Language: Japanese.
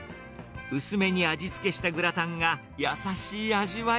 薄めに味付けしたグラタンが、優しい味わい。